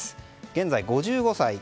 現在５５歳。